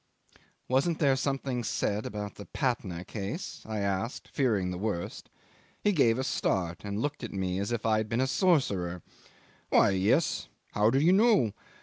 "Wasn't there something said about the Patna case?" I asked, fearing the worst. He gave a start, and looked at me as if I had been a sorcerer. "Why, yes! How do you know?